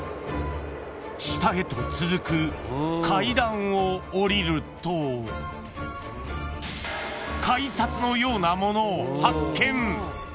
［下へと続く階段を下りると改札のようなものを発見］